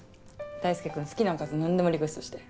大輔君好きなおかず何でもリクエストして。